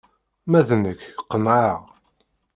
Ma d nekk, qenεeɣ.